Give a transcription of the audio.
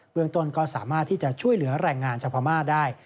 เมืองต้นก็สามารถที่จะช่วยเหลือแรงงานชาวพม่าได้